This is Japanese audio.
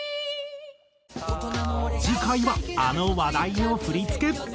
次回はあの話題の振り付け。